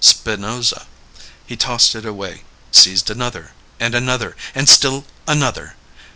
Spinoza. He tossed it away, seized another, and another, and still another.